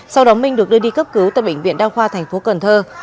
sau đó minh được đưa đi cấp cứu tại bệnh viện đa khoa thành phố cần thơ